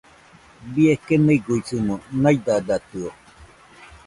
Baie keniguisɨmo naidadatɨo